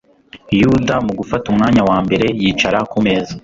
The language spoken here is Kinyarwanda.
Yuda mu gufata umwanya wa mbere yicara ku meza,